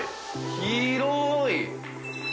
広い。